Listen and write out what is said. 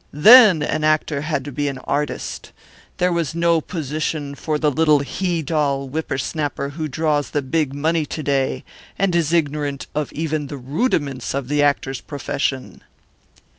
Then an actor had to be an artist; there was no position for the little he doll whippersnapper who draws the big money to day and is ignorant of even the rudiments of the actor's profession."